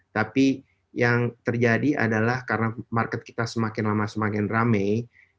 tapi yang terjadi adalah karena market kita semakin lama semakin ramai